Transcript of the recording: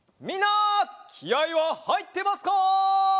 みんなきあいははいってますか？